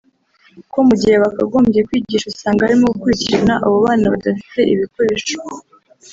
kuko mu gihe bakagombye kwigisha usanga barimo gukurikirana abo bana badafite ibikoresho